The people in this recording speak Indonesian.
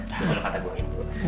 akur kata gue